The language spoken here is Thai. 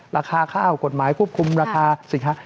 ราคาข้าวกฎหมายควบคุมราคาสินค้า